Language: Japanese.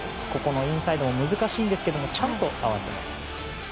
インサイド難しいんですけどちゃんと合わせます。